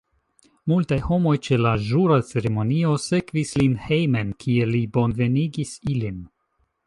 Multaj homoj ĉe la ĵura ceremonio sekvis lin hejmen, kie li bonvenigis ilin.